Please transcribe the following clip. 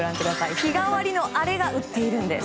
日替わりの「アレ」が売っているんです。